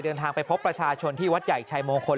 เดินทางไปพบประชาชนที่วัดใหญ่ชายมงคล